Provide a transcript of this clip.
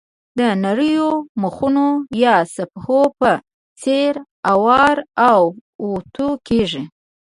د نریو مخونو یا صفحو په څېر اوار او اوتو کېږي.